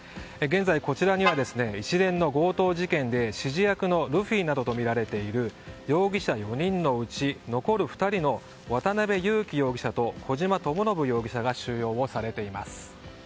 現在、こちらには一連の強盗事件で指示役のルフィなどとみられている容疑者４人のうち残る２人の渡辺優樹容疑者と小島智信容疑者が収容されています。